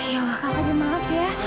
ya allah kak fadil maaf ya